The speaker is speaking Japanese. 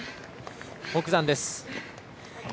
北山です。